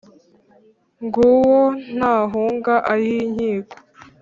ng’uwo ntahuga ay’inkiko